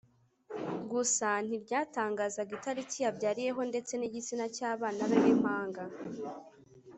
gusa ntiryatangazaga itariki yabyariyeho ndetse n’igitsina cy’abana be b’impanga